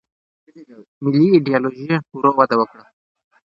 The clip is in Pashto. ملي ایدیالوژي ورو وده وکړه.